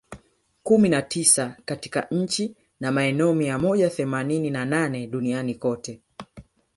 kumi na tisa katika nchi na maeneo mia moja themanini na nane duniani kote